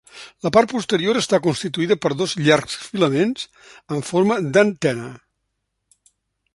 La part posterior està constituïda per dos llargs filaments amb forma d'antena.